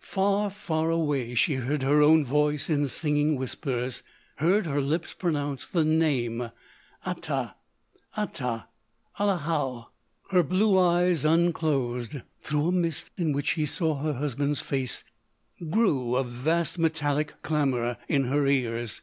Far—far away she heard her own voice in singing whispers—heard her lips pronounce The Name—"Ata—Ata! Allahou——" Her blue eyes unclosed; through a mist, in which she saw her husband's face, grew a vast metallic clamour in her ears.